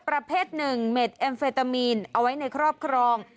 ประเภทหนึ่งเม็ดแอมเฟตามีนเอาไว้ในครอบครอง